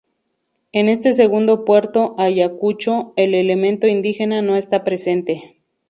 En este segundo Puerto Ayacucho el elemento indígena no está presente.